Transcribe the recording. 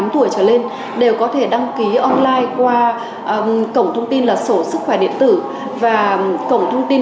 một mươi tuổi trở lên đều có thể đăng ký online qua cổng thông tin là sổ sức khỏe điện tử và cổng thông tin